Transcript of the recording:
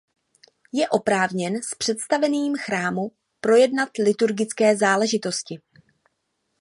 Je oprávněn s představeným chrámu projednat liturgické záležitosti.